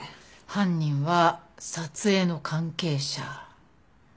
犯人は撮影の関係者。